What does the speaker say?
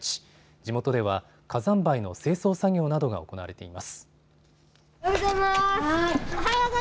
地元では火山灰の清掃作業などが行われています。